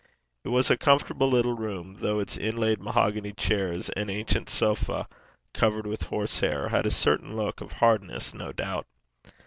It was a comfortable little room, though its inlaid mahogany chairs and ancient sofa, covered with horsehair, had a certain look of hardness, no doubt.